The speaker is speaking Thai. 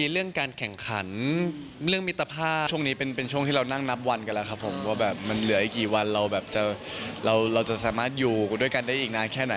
เราจะสามารถอยู่ด้วยกันได้อีกนานแค่ไหน